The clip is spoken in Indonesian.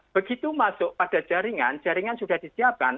begitu masuk pada jaringan jaringan sudah disiapkan